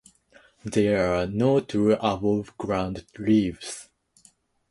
There are no true aboveground leaves.